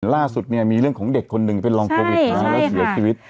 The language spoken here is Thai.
ล่าสุดเนี่ยมีเรื่องของเด็กคนหนึ่งเป็นรองโควิดมาแล้วเสียชีวิต